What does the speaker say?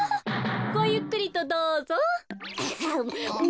ごゆっくりとどうぞ。